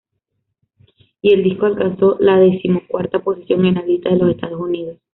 Y el disco alcanzó la decimocuarta posición en las lista de los Estados Unidos.